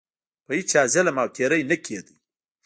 په هیچا ظلم او تیری نه کېده.